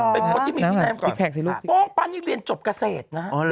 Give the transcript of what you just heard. เป็นคนที่มีพินัยก่อนโป้งปั้นนี่เรียนจบเกษตรนะฮะ